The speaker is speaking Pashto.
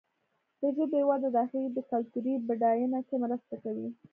د ژبې وده د هغې د کلتوري بډاینه کې مرسته کوي.